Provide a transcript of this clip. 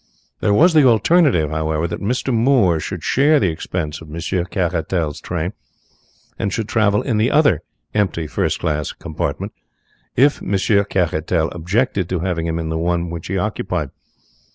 There was the alternative, however, that Mr. Moore should share the expense of Monsieur Caratal's train, and should travel in the other empty first class compartment, if Monsieur Caratal objected to having him in the one which he occupied.